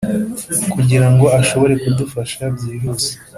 kugira ngo ashobore kudufasha byihuse